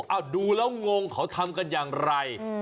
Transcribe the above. ดูแล้วงงเขาทำกันอย่างไร